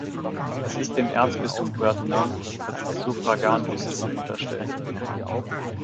Es ist dem Erzbistum Puerto Montt als Suffraganbistum unterstellt.